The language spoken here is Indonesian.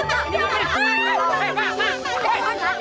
kampung kita masuk tipi